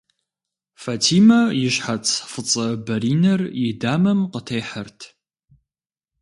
Фатимэ и щхьэц фӏыцӏэ бэринэр и дамэм къытехьэрт.